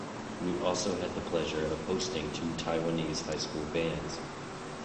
We also had the pleasure of hosting two Taiwanese High School bands.